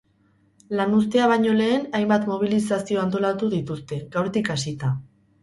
Lanuztea baino lehen, hainbat mobilizazio antolatu dituzte, gaurtik hasita.